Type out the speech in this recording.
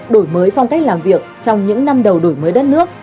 đổi mới phong cách làm việc trong những năm đầu đổi mới đất nước